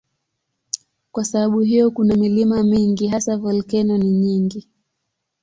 Kwa sababu hiyo kuna milima mingi, hasa volkeno ni nyingi.